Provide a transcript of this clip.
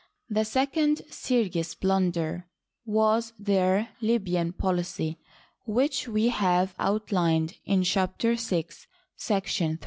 The second serious blunder was their Libyan policy, which we have outlined in Chapter VI, § 3.